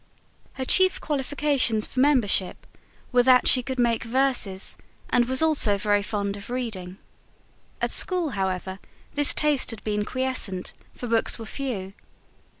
Her chief qualifications for membership were that she could make verses, and was also very fond of reading. At school, however, this taste had been quiescent; for books were few.